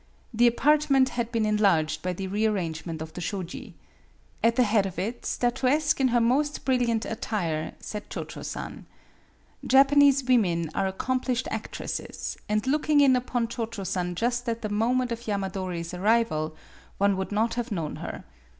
The apartment had been enlarged by the rearrangement of the shoji. At the head of it, statuesque in her most brilliant attire, sat Cho Cho San. Japanese women are accomplished actresses ; and looking in upon Cho Cho San just at the moment of Yamadori's arrival, one would not have known her.